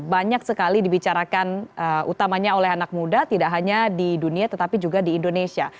banyak sekali dibicarakan utamanya oleh anak muda tidak hanya di dunia tetapi juga di indonesia